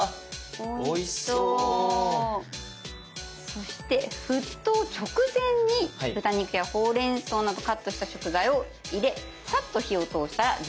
そして沸騰直前に豚肉やほうれんそうなどカットした食材を入れさっと火を通したら出来上がり。